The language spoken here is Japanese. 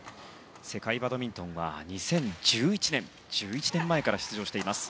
世界バドミントンは２０１１年、１１年前から出場しています。